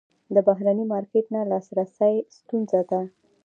بهرني مارکیټ ته نه لاسرسی ستونزه ده.